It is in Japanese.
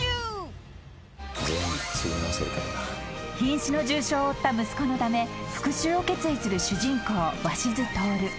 ［瀕死の重傷を負った息子のため復讐を決意する主人公鷲津亨］